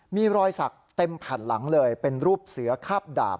มีรอยสักเต็มแผ่นหลังเลยเป็นรูปเสือคาบดาบ